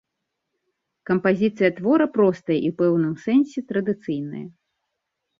Кампазіцыя твора простая і ў пэўным сэнсе традыцыйная.